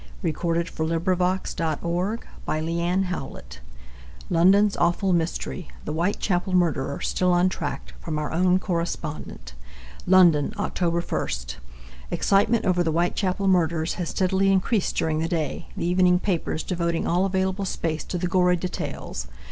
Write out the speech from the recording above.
(6 posts) New York Times October 2, 1888 LONDON'S AWFUL MYSTERY "The Whitechapel Murderer Still Untracked" from our own correspondent London, Oct. 1. Excitement over the Whitechapel murders has steadily increased during the day, the evening papers devoting all available space to the gory details.